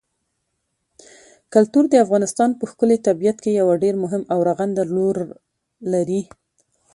کلتور د افغانستان په ښکلي طبیعت کې یو ډېر مهم او رغنده رول لري.